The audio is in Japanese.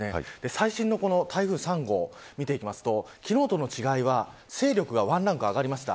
最新の台風３号、見ていきますと昨日との違いは、勢力がワンランク上がりました。